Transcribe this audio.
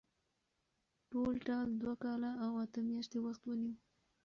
ټولټال دوه کاله او اته میاشتې وخت ونیو.